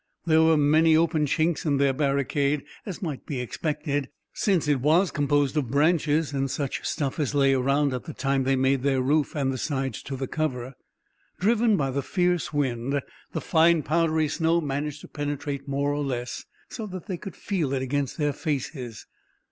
There were many open chinks in their barricade, as might be expected, since it was composed of branches and such stuff as lay around at the time they made their roof and the sides to the cover. Driven by the fierce wind, the fine powdery snow managed to penetrate more or less, so that they could feel it against their faces.